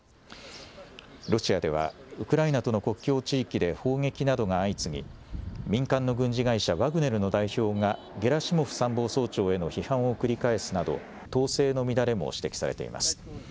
ロシアでは、ウクライナとの国境地域で砲撃などが相次ぎ、民間の軍事会社ワグネルの代表が、ゲラシモフ参謀総長への批判を繰り返すなど、統制の乱れも指摘されています。